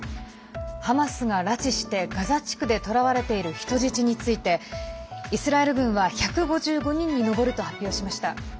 ハマスが拉致してガザ地区で捕らわれている人質についてイスラエル軍は１５５人に上ると発表しました。